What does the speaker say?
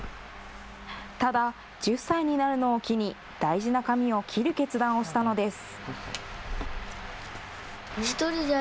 ただ、１０歳になるのを機に大事な髪を切る決断をしたのです。